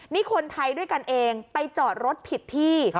นี่คนไทยด้วยกันเองไปจอดรถผิดที่